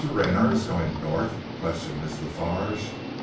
RAYNER is going to the North?" questioned Miss La Farge.